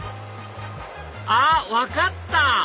あっ分かった！